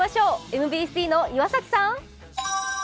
ＭＢＣの岩崎さん。